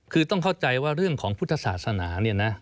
คือต้องเข้าใจว่าเรื่องของพุทธศาสนาเนี่ยนะ